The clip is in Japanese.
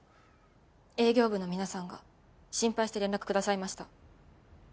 営業部の皆さんが心配して連絡くださいました。